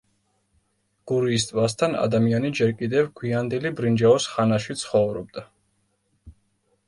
გურიის ტბასთან ადამიანი ჯერ კიდევ გვიანდელი ბრინჯაოს ხანაში ცხოვრობდა.